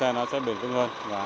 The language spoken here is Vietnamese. xe nó sẽ bền tương hơn và